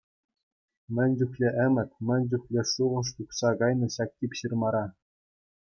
Мӗн чухлӗ ӗмӗт, мӗн чухлӗ шухӑш юхса кайнӑ ҫак тип ҫырмара.